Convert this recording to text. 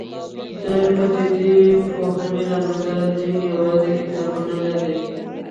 د پدیده پوهنې له نظره دین یوازې کتابونه نه دي.